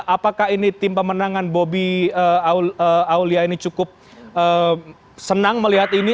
apakah ini tim pemenangan bobi aulia ini cukup senang melihat ini